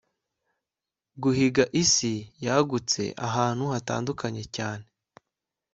Guhiga isi yagutse ahantu hatandukanye cyane